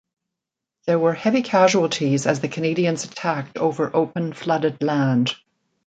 There were heavy casualties as the Canadians attacked over open, flooded land.